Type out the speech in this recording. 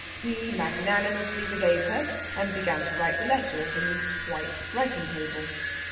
He magnanimously forgave her, and began to write the letter at a neat white writing table.